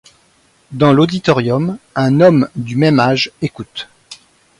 Dans l'auditorium, un homme du même âge écoute.